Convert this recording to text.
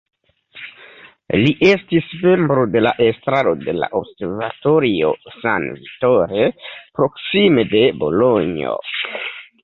Li estis membro de la estraro de la Observatorio San Vittore proksime de Bolonjo.